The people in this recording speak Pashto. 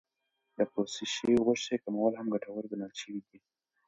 د پروسس شوې غوښې کمول هم ګټور ګڼل شوی دی.